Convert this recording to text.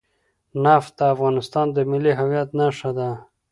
نفت د افغانستان د ملي هویت نښه ده.